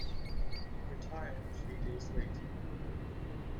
He retired three days later.